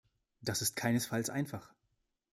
Das ist keinesfalls einfach.